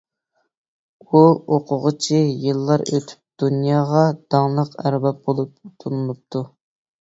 بۇ ئوقۇغۇچى يىللار ئۆتۈپ دۇنياغا داڭلىق ئەرباب بولۇپ تونۇلۇپتۇ.